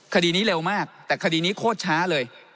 คดีนี้เร็วมากแต่คดีนี้โคตรช้าเลย